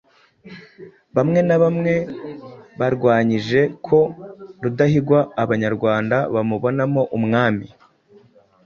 bamwe na bamwe barwanyije ko Rudahigwa Abanyarwanda bamubonamo umwami